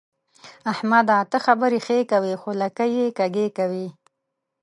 احمده! ته خبرې ښې کوې خو لکۍ يې کږې کوي.